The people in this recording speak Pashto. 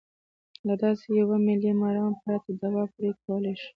له داسې یوه ملي مرام پرته دوا پرې کولای شو.